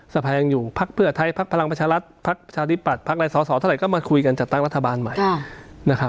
สภายังอยู่พลไทยพวัชลัศน์พลพรี่ปัตรพลศก็มาคุยกันมาจัดตั้งรัฐบาลใหม่